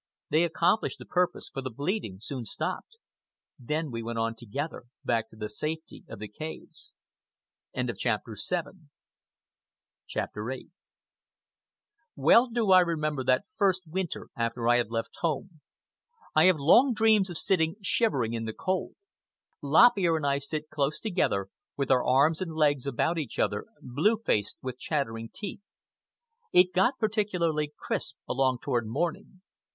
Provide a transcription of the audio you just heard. They accomplished the purpose, for the bleeding soon stopped. Then we went on together, back to the safety of the caves. CHAPTER VIII Well do I remember that first winter after I left home. I have long dreams of sitting shivering in the cold. Lop Ear and I sit close together, with our arms and legs about each other, blue faced and with chattering teeth. It got particularly crisp along toward morning.